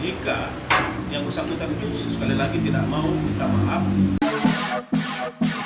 jika yang bersangkutan itu sekali lagi tidak mau minta maaf